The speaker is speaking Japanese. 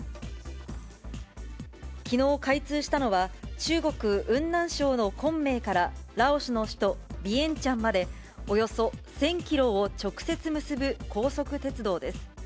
きのう開通したのは、中国・雲南省の昆明からラオスの首都ビエンチャンまでおよそ１０００キロを直接結ぶ高速鉄道です。